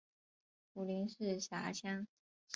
普宁市辖乡。